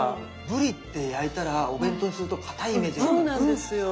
ブリって焼いたらお弁当にするとかたいイメージがあったんですよ。